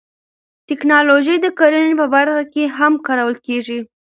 تکنالوژي د کرنې په برخه کې هم کارول کیږي.